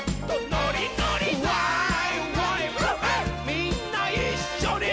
みんないっしょに。